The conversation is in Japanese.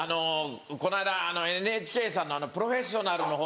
この間ＮＨＫさんの『プロフェッショナル』のほうに。